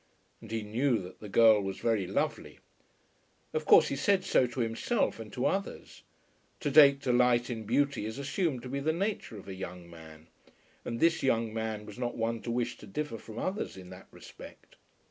And he knew that the girl was very lovely. Of course he said so to himself and to others. To take delight in beauty is assumed to be the nature of a young man, and this young man was not one to wish to differ from others in that respect.